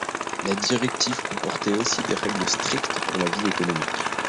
La directive comportait aussi des règles strictes pour la vie économique.